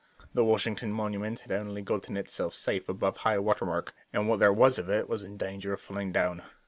The Washington Monument had only gotten itself safe above high water mark; and what there was of it was in danger of falling down.